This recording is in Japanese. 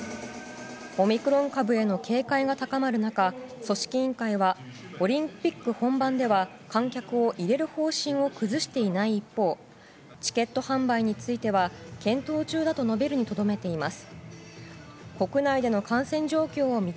オミクロン株への警戒が高まる中組織委員会はオリンピック本番では観客を入れる方針を崩していない一方チケット販売については検討中だと述べるにとどめています。